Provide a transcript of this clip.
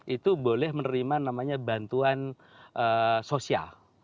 itu boleh menerima namanya bantuan sosial